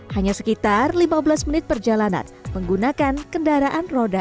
hanya sekitar lima belas menit perjalanan menggunakan kendaraan roda